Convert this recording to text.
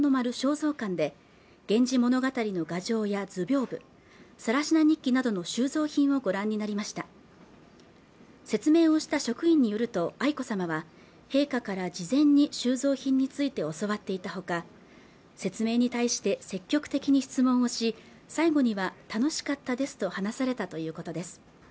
蔵館で源氏物語の画じょうや図屏風更級日記などの収蔵品をご覧になりました説明をした職員によると愛子さまは陛下から事前に収蔵品について教わっていたほか説明に対して積極的に質問をし最後には楽しかったですと話されたということです